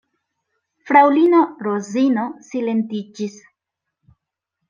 Fraŭlino Rozino silentiĝis.